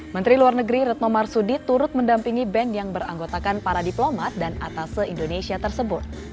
menteri luar negeri retno marsudi turut mendampingi band yang beranggotakan para diplomat dan atas indonesia tersebut